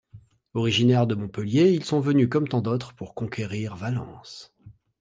Originaires de Montpellier, ils sont venus comme tant d'autres pour conquérir Valence.